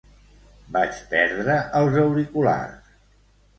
Vaig perdre els auriculars.